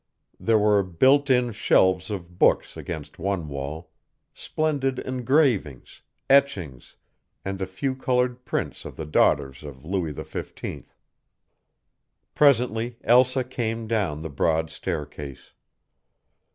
There were built in shelves of books against one wall, splendid engravings, etchings, and a few colored prints of the daughters of Louis XV. Presently Elsa came down the broad staircase.